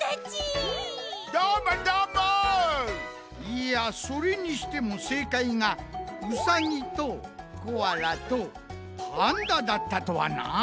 いやそれにしてもせいかいがウサギとコアラとパンダだったとはなあ。